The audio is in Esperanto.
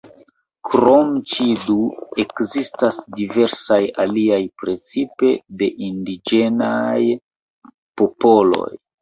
Krom ĉi du, ekzistas diversaj aliaj precipe de indiĝenaj popoloj.